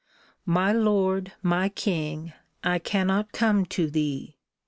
My lord, my king, I cannot come to thee.